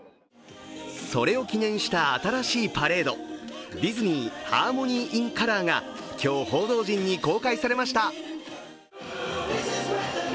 それを記念した新しいパレード、ディズニー・ハーモニー・イン・カラーが今日、報道陣に公開されました。